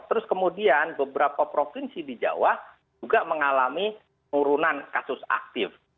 terus kemudian beberapa provinsi di jawa juga mengalami turunan kasus aktif